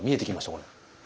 これ。